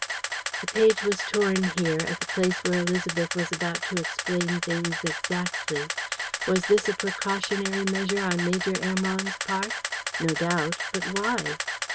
..." The page was torn here, at the place where Élisabeth was about to explain things exactly. Was this a precautionary measure on Major Hermann's part? No doubt; but why?